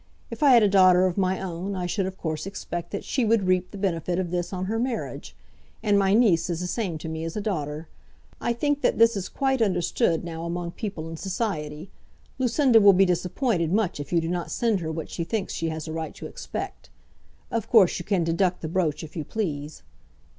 If I had a daughter of my own, I should, of course, expect that she would reap the benefit of this on her marriage; and my niece is the same to me as a daughter. I think that this is quite understood now among people in society. Lucinda will be disappointed much if you do not send her what she thinks she has a right to expect. Of course you can deduct the brooch if you please.